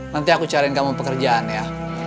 nanti aku cariin kamu pekerjaan ya